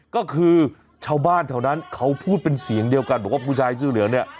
ก็คือชาวบ้านแถวนั้นเขาพูดเป็นเสียงเดียวกันบอกว่าผู้ชายเสื้อเหลืองเนี่ย